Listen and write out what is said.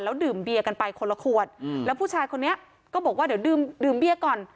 ดื่มเบียร์กันไปคนละขวดแล้วผู้ชายคนนี้ก็บอกว่าเดี๋ยวดื่มเบียร์ก่อน